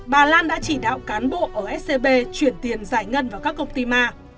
bà lan đã chỉ đạo cán bộ ở scb chuyển tiền giải ngân vào các công ty ma